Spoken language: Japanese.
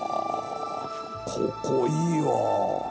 ここいいわ。